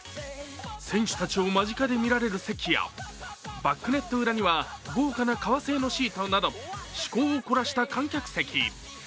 選手たちを間近でみられる席やバックネット裏には豪華な革製のシートなど思考を凝らした観客席。